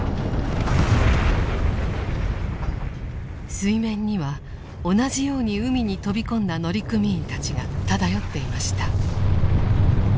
水面には同じように海に飛び込んだ乗組員たちが漂っていました。